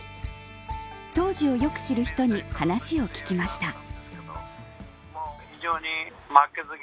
当時をよく知る人に話を聞きました。